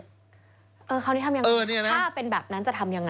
เออเขาทำอย่างนี้ถ้าเป็นแบบนั้นจะทำอย่างไร